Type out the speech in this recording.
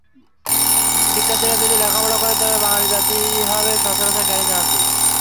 শিক্ষার্থীরা যদি লেখাপড়া করে তবে বাঙালি জাতি হবে সবচেয়ে জ্ঞানী জাতি।